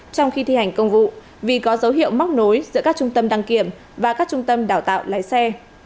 trong khi thi hành công vụ vì có dấu hiệu móc nối giữa các trung tâm đăng kiểm và các trung tâm đào tạo lái xe